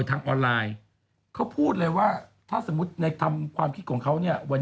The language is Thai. ทางออนไลน์เขาพูดเลยว่าถ้าสมมุติในความคิดของเขาเนี่ยวัน